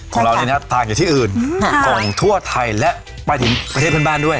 ของเรานี่นะต่างจากที่อื่นของทั่วไทยและไปถึงประเทศเพื่อนบ้านด้วย